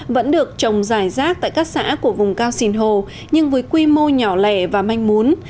vẫn được trồng rải rác tại các xã của vùng cao xìn hồ nhưng với quy mô nhỏ lẻ và manh mún